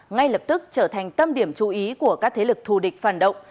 ngay lập tức trở thành tâm điểm chú ý của các thế lực thù địch phản động